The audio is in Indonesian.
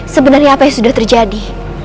sebenarnya apa yang sudah terjadi